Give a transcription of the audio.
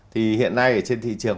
thì hiện nay ở trên thị trường